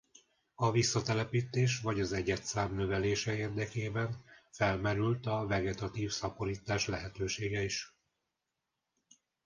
A visszatelepítés vagy az egyedszám növelése érdekében felmerült a vegetatív szaporítás lehetősége is.